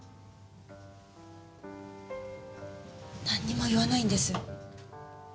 何にも言わないんです。